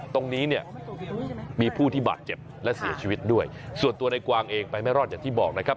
ตรงนี้เนี่ยมีผู้ที่บาดเจ็บและเสียชีวิตด้วยส่วนตัวในกวางเองไปไม่รอดอย่างที่บอกนะครับ